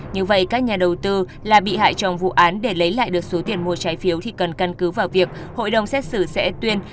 như vậy các nhà đầu tư là bị hại trong vụ án để lấy lại được số tiền mua trái phiếu thì cần căn cứ vào việc hội đồng xét xử sẽ tuyên